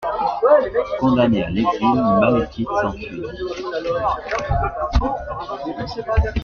Condamné à l'exil, Malekith s'enfuit.